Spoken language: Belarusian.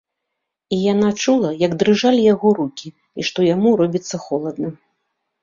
І яна чула, як дрыжалі яго рукі і што яму робіцца холадна.